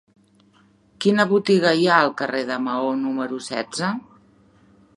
Quina botiga hi ha al carrer de Maó número setze?